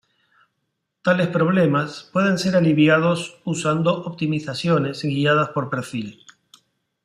Tales problemas pueden ser aliviados usando optimizaciones guiadas por perfil.